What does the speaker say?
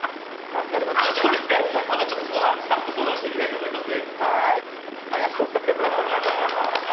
そうですね、スタッフと相談してみたいと思います。